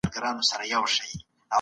مشران تل د خپلو تجربو پر بنسټ خبري کوي.